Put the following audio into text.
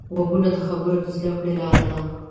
غوږونه د خبرو د زده کړې لاره ده